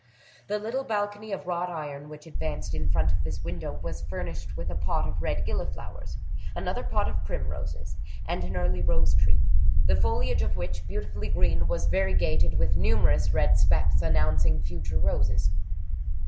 The little balcony of wrought iron which advanced in front of this window was furnished with a pot of red gilliflowers, another pot of primroses, and an early rose tree, the foliage of which, beautifully green, was variegated with numerous red specks announcing future roses.